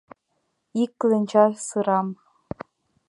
— Ик кленча сырам...